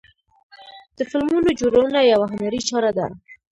د فلمونو جوړونه یوه هنري چاره ده.